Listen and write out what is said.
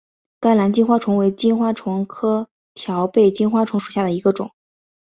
甘蓝金花虫为金花虫科条背金花虫属下的一个种。